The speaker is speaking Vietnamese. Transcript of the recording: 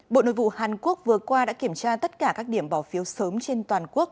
bộ nội vụ hàn quốc vừa qua đã kiểm tra tất cả các điểm bỏ phiếu sớm trên toàn quốc